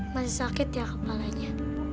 masih sakit ya kepalanya